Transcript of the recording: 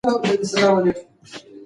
آیا هلوا په رښتیا ګرمه وه؟